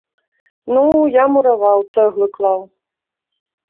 Ну, я мураваў, цэглы клаў.